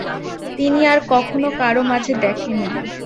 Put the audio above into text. তিনি আর কখনও কারো মাঝে দেখেননি।